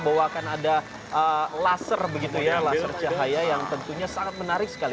bahwa akan ada laser begitu ya laser cahaya yang tentunya sangat menarik sekali